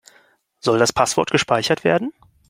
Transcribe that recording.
Soll das Passwort gespeichert werden?